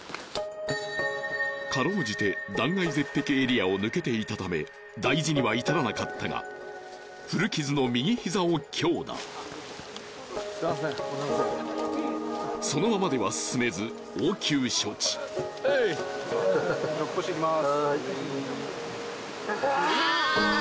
かろうじて断崖絶壁エリアを抜けていたため大事には至らなかったが古傷の右膝を強打すみませんそのままでは進めず応急処置ちょっと染みます